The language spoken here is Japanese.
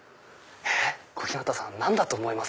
小日向さん何だと思います？